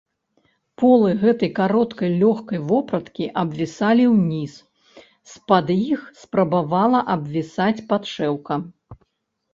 Полы гэтай кароткай лёгкай вопраткі абвісалі ўніз, з-пад іх спрабавала абвісаць падшэўка.